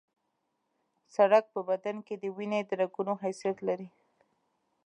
سړک په بدن کې د وینې د رګونو حیثیت لري